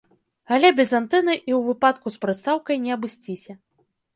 Але без антэны і ў выпадку з прыстаўкай не абысціся.